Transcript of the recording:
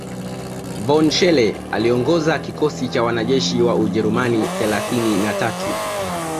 von Schele aliongoza kikosi cha wanajeshi wa Ujerumani thelathini na tatu